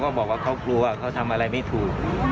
บอกว่าเขากลัวเขาทำอะไรไม่ถูก